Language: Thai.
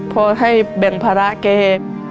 เพราะให้แบ่งภาระแก